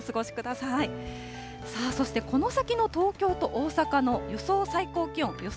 さあ、そしてこの先の東京と大阪の予想